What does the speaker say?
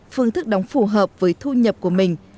phương thức đóng phù hợp với thu nhập của mình